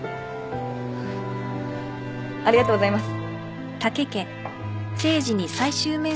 ありがとうございます。